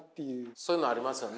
そういうのありますよね。